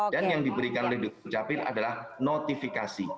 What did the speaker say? dan yang diberikan oleh dukcapil adalah notifikasi